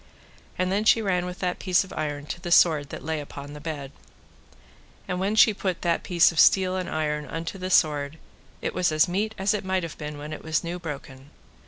And then she ran with that piece of iron to the sword that lay upon the bed. And when she put that piece of steel and iron unto the sword, it was as meet as it might be when it was new broken.